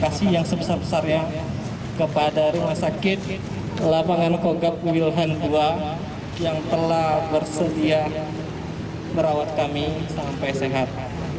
terima kasih yang sebesar besarnya kepada rumah sakit lapangan kogab wilhan ii yang telah bersedia merawat kami sampai sehat